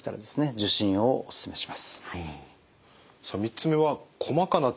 受診をお勧めします。